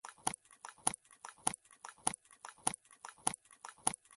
د هندوکش شمالي برخه ولې سړه ده؟